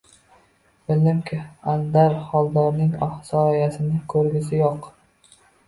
Bildimki, Aldar Xoldorning soyasiniyam ko‘rgisi yo‘q